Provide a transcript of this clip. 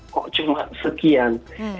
kok cuma sekian